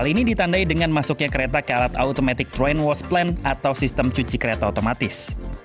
hal ini ditandai dengan masuknya kereta ke alat automatic train wash plan atau sistem cuci kereta otomatis